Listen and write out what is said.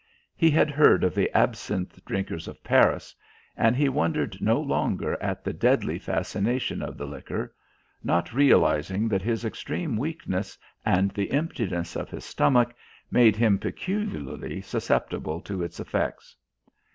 He had heard of the absinthe drinkers of Paris, and he wondered no longer at the deadly fascination of the liquor not realising that his extreme weakness and the emptiness of his stomach made him peculiarly susceptible to its effects.